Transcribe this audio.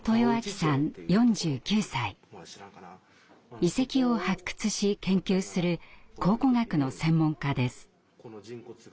遺跡を発掘し研究する考古学の専門家です。